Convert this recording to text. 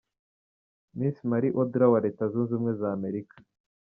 Miss Mari Audra wa Leta Zunze Ubumwe za Amerika.